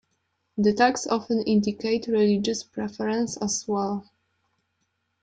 The tags often indicate religious preference as well.